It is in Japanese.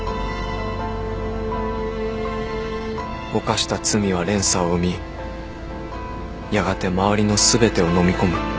犯した罪は連鎖を生みやがて周りの全てをのみ込む